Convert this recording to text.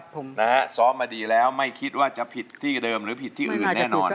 ผมนะฮะซ้อมมาดีแล้วไม่คิดว่าจะผิดที่เดิมหรือผิดที่อื่นแน่นอน